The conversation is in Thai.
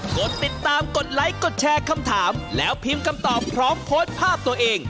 กดติดตามกดไลค์กดแชร์คำถามแล้วพิมพ์คำตอบพร้อมโพสต์ภาพตัวเอง